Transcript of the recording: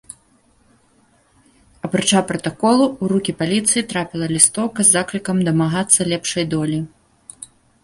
Апрача пратаколу, у рукі паліцыі трапіла лістоўка з заклікам дамагацца лепшай долі.